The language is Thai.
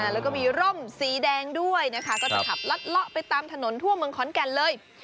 แล้วก็มีร่มสีแดงด้วยนะคะก็จะขับลัดเลาะไปตามถนนทั่วเมืองขอนแก่นเลย